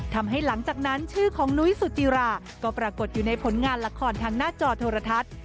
หลังจากนั้นชื่อของนุ้ยสุจิราก็ปรากฏอยู่ในผลงานละครทางหน้าจอโทรทัศน์